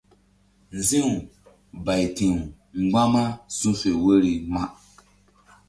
Nzi̧w bayti̧w mgbama su̧fe woyri ma.